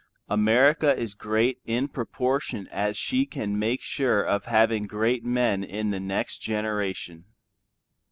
America is great in proportion as she can make sure of having great men in the next generation.